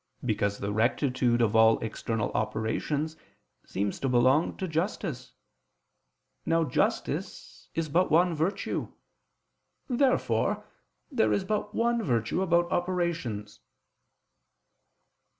Because the rectitude of all external operations seems to belong to justice. Now justice is but one virtue. Therefore there is but one virtue about operations.